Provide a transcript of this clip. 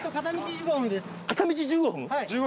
片道１５分？